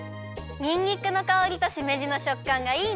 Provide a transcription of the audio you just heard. にんにくのかおりとしめじのしょっかんがいいね！